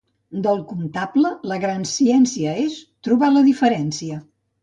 Del comptable, la gran ciència és trobar la diferència.